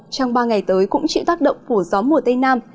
trong ba ngày tới cũng chịu tác động của gió mùa tây nam